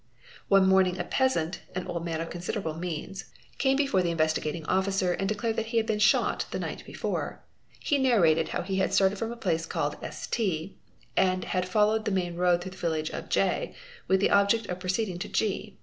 . One morning a peasant, an old man of considerable means, car before the Investigating Officer and declared that he had been shot th a night before. He narrated how he had started from a place calle and had followed the main road through the village of J with the objec | of proceeding to G.